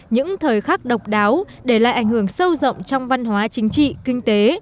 những thời khắc độc đáo để lại ảnh hưởng sâu rộng trong văn hóa chính trị kinh tế